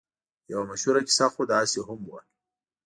یوه مشهوره کیسه خو داسې هم وه.